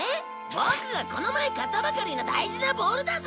ボクがこの前買ったばかりの大事なボールだぞ！